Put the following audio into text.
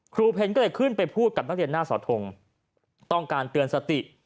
เพลก็เลยขึ้นไปพูดกับนักเรียนหน้าสอทงต้องการเตือนสติ